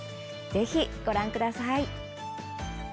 ぜひ、ご覧ください。